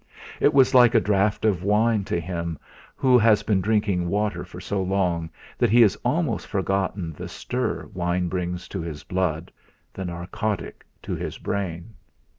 It was like a draught of wine to him who has been drinking water for so long that he has almost forgotten the stir wine brings to his blood, the narcotic to his brain.